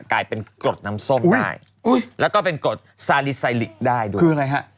กลายเป็นกรดน้ำส้มได้แล้วก็เป็นกรดซาลิไซลิกได้ด้วยคืออะไรฮะ